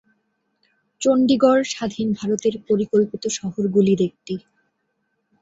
চণ্ডীগড় স্বাধীন ভারতের পরিকল্পিত শহরগুলির একটি।